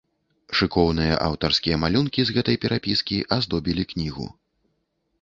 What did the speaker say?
Шыкоўныя аўтарскія малюнкі з гэтай перапіскі аздобілі кнігу.